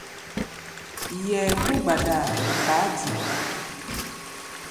Yɛɛ kó gbadaa baá dik.